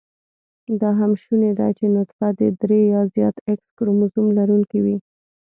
دا هم شونې ده چې نطفه د درې يا زیات x کروموزم لرونېکې وي